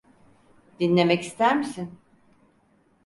Dinlemek ister misin?